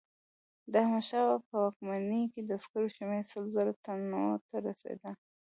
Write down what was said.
د احمدشاه بابا په واکمنۍ کې د عسکرو شمیر سل زره تنو ته رسېده.